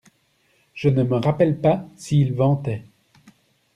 Je ne me rappelle pas s’il ventait.